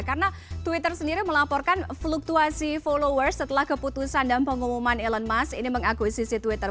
karena twitter sendiri melaporkan fluktuasi followers setelah keputusan dan pengumuman elon musk mengakuisisi twitter